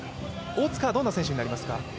大塚はどんな選手になりますか？